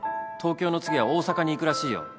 東京の次は大阪に行くらしいよ